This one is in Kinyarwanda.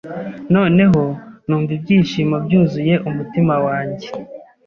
noneho numva ibyishimo byuzuye umutima wanjye